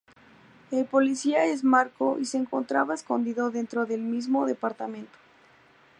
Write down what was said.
El policía es Marco y se encontraba escondido dentro del mismo departamento.